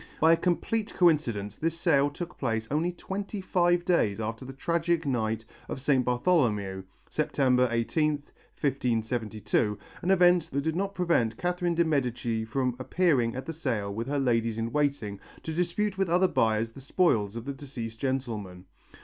By a curious coincidence, this sale took place only twenty five days after the tragic night of St. Bartholomew (September, 18th, 1572), an event that did not prevent Catherine de Médicis from appearing at the sale with her ladies in waiting, to dispute with other buyers the spoils of the deceased gentleman.